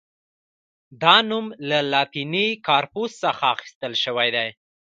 دا نوم له لاتیني «کارپوس» څخه اخیستل شوی دی.